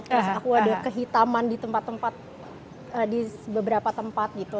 terus aku ada kehitaman di tempat tempat di beberapa tempat gitu